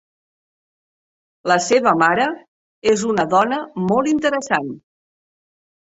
La seva mare és una dona molt interessant.